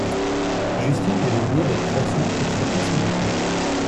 Justine a amené des croissants pour fêter son départ.